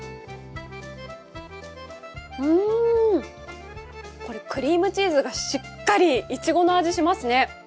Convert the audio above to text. うん、これクリームチーズがしっかり、いちごの味しますね。